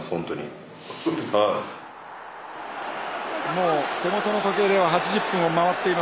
もう手元の時計では８０分を回っています。